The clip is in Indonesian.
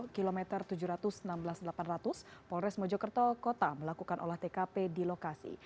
kilometer tujuh ratus enam belas delapan ratus polres mojokerto kota melakukan olah tkp di lokasi